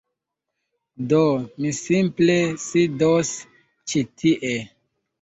Do, mi simple sidos ĉi tie